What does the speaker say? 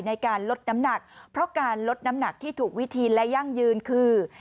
ในการลดน้ำหนักเพราะการลดน้ำหนักที่ถูกวิธีและยั่งยืนคือ